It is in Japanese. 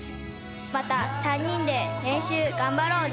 また３人で練習頑張ろうね。